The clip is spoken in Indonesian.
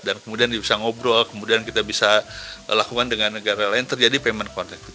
dan kemudian bisa ngobrol kemudian kita bisa lakukan dengan negara lain terjadi payment connectivity